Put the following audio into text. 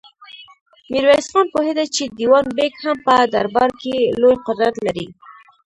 ميرويس خان پوهېده چې دېوان بېګ هم په دربار کې لوی قدرت لري.